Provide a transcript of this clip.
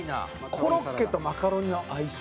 コロッケとマカロニの相性。